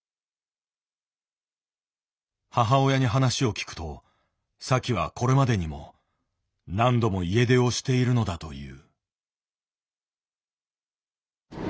母親に話を聞くとサキはこれまでにも何度も家出をしているのだという。